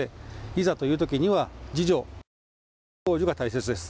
いざというときには、自助、共助、公助が大切です。